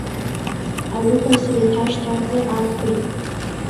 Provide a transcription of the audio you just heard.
Ауха сеиҭашьҭарҵар акәхит.